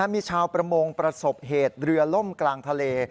มีชาวประมงประสบเหตุเรือล่มกลางทะเล